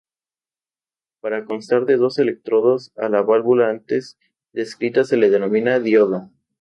Por constar de dos electrodos a la válvula antes descrita se le denomina "diodo".